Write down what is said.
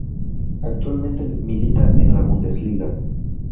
Actualmente milita en la Bundesliga.